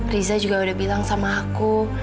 riza juga udah bilang sama aku